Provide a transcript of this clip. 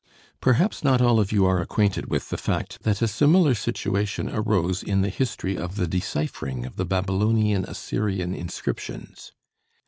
Perhaps not all of you are acquainted with the fact that a similar situation arose in the history of the deciphering of the Babylonian Assyrian inscriptions.